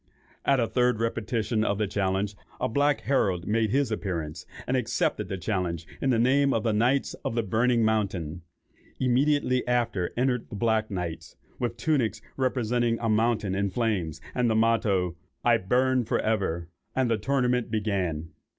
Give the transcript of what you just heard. At the third repetition of the challenge, a black herald made his appearance, and accepted the challenge in the name of the "Knights of the Burning Mountain." Immediately after entered the black knights, with tunics representing a mountain in flames, and the motto, "I burn for ever;" and the tournament began.